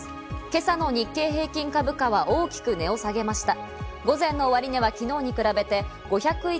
今朝の日経平均株価は大きく値を下げました。